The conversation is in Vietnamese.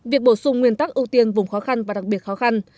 việc bổ sung nguyên tắc ưu tiên vùng khó khăn và đặc biệt khó khăn